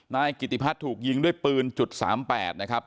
นายกิติพัฒน์ถูกยิงด้วยปืนจุดสามแปดนะครับ